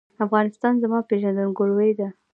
افغانستان زما پیژندګلوي ده